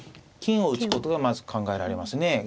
金を打つことがまず考えられますね。